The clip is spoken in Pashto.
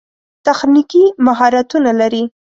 تخنیکي مهارتونه لري.